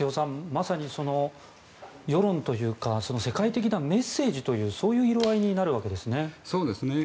まさに世論というか世界的なメッセージというそういう色合いになるわけですね。